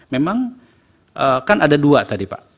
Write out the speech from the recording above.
memang kan ada dua tadi pak